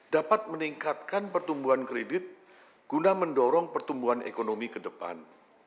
dapat meningkatkan pertumbuhan kredit guna mendorong pertumbuhan ekonomi ke depan